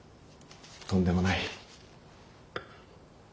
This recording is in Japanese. とんでもない。